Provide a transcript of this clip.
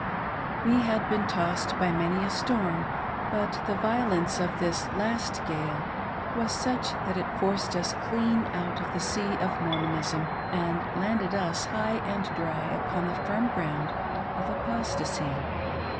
We had been tossed by many a storm, but the violence of this last gale was such that it forced us clean out of the sea of Mormonism, and landed us high and dry upon the firm ground of apostacy.